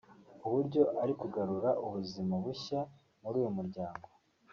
uburyo ari kugarura ubuzima bushya muri uyu muryango